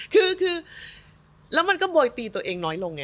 คือแล้วมันก็โบยตีตัวเองน้อยลงไง